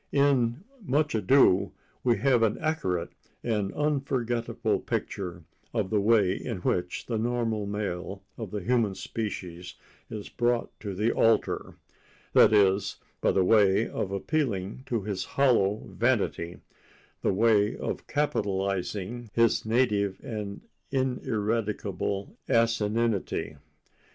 In "Much Ado" we have an accurate and unforgettable picture of the way in which the normal male of the human species is brought to the altar—that is, by the way of appealing to his hollow vanity, the way of capitalizing his native and ineradicable asininity.